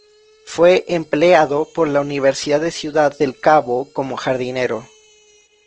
Fue empleado por la Universidad de Ciudad del Cabo como jardinero.